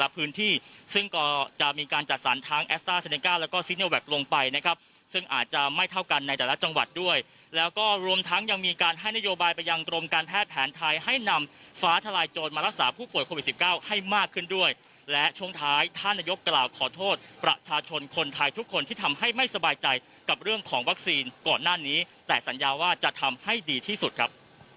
แพทย์แผนไทยให้นำฟ้าทลายโจรมารักษาผู้ป่วยโควิด๑๙ให้มากขึ้นด้วยและช่วงท้ายท่านนโยคกล่าวขอโทษประชาชนคนไทยทุกคนที่ทำให้ไม่สบายใจกับเรื่องของวัคซีนก่อนหน้านี้แต่สัญญาว่าจะทำให้ดีที่สุดครับ